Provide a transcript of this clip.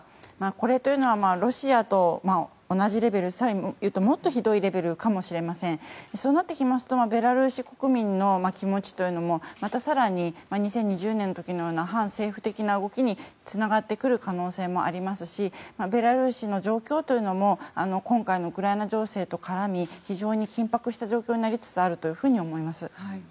これはロシアと同じレベルもっとひどいレベルかもしれませんがそうなってきますとベラルーシ国民の気持ちというのもまた更に２０２０年の時のような反政府的な動きにつながってくる可能性もありますしベラルーシの状況というのも今回のウクライナ情勢と絡み非常に緊迫した状況になりつつあると思います。